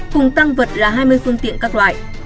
cùng tăng vật là hai mươi phương tiện các loại